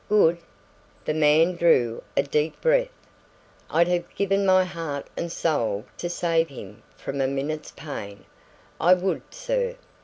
"Good?" The man drew a deep breath. "I'd have given my heart and soul to save him from a minute's pain, I would, sir!